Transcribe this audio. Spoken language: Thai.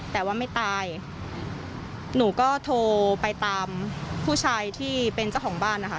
แต่ว่าไม่ตายหนูก็โทรไปตามผู้ชายที่เป็นเจ้าของบ้านนะคะ